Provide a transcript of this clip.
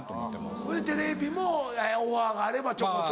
ほいでテレビもオファーがあればちょこちょこと。